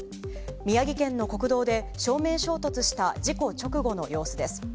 宮城県の国道で正面衝突した事故直後の様子です。